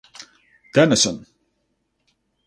Denison.